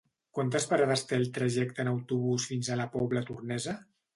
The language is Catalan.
Quantes parades té el trajecte en autobús fins a la Pobla Tornesa?